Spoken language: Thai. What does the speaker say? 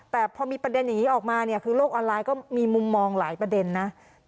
แต่พอมีประเด็นอย่างนี้ออกมาเนี่ยคือโลกออนไลน์ก็มีมุมมองหลายประเด็นนะ